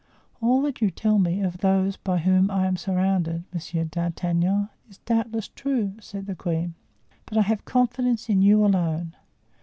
"All that you tell me of those by whom I am surrounded, Monsieur d'Artagnan, is doubtless true," said the queen, "but I have confidence in you alone.